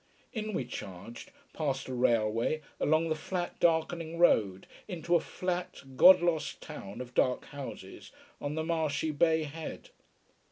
In we charged, past a railway, along the flat darkening road into a flat God lost town of dark houses, on the marshy bay head.